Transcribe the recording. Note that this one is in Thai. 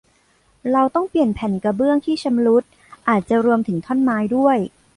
เราต้องเปลี่ยนแผ่นกระเบื้องที่ชำรุด อาจจะรวมถึงท่อนไม้ด้วย